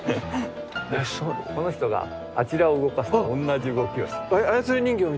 この人があちらを動かすと同じ動きをします。